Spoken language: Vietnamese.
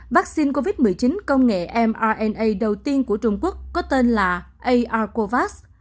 vaccine covid một mươi chín công nghệ mrna đầu tiên của trung quốc có tên là argovas